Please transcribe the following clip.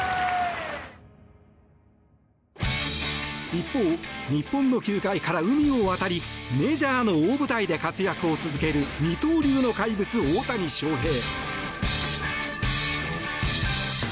一方、日本の球界から海を渡りメジャーの大舞台で活躍を続ける二刀流の怪物、大谷翔平。